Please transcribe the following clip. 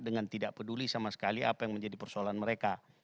dengan tidak peduli sama sekali apa yang menjadi persoalan mereka